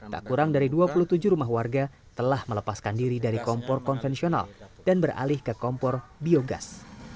tak kurang dari dua puluh tujuh rumah warga telah melepaskan diri dari kompor konvensional dan beralih ke kompor biogas